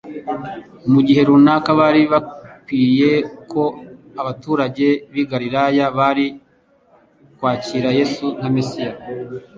Mu gihe runaka bari bibwiye ko abaturage b'i Galilaya bari kwakira Yesu nka Mesiya,